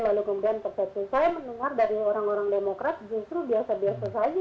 lalu kemudian persepsi saya mendengar dari orang orang demokrat justru biasa biasa saja